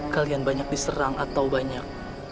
kalian banyak diserang atau banyak